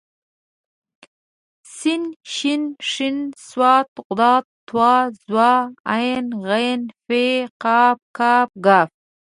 س ش ښ ص ض ط ظ ع غ ف ق ک ګ